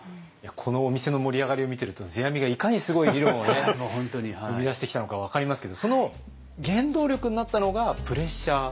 このお店の盛り上がりを見てると世阿弥がいかにすごい理論を生み出してきたのか分かりますけどその原動力になったのがプレッシャー。